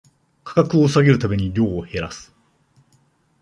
価格を下げるために量を減らす